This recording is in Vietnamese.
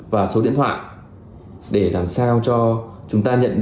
vào lôi kéo chúng ta